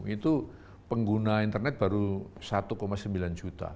itu pengguna internet baru satu sembilan juta